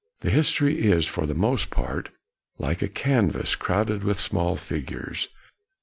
The history is for the most part like a canvas crowded with small figures.